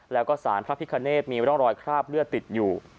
แล้วก็สารพระพิคเนธมีร่องรอยคราบเลือดติดอยู่